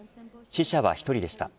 死者は１人でした。